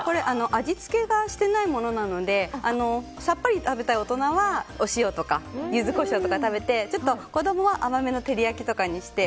味付けがしてないものなのでさっぱり食べたい大人はお塩とかユズコショウとかで食べてちょっと子供は甘めの照り焼きとかにして。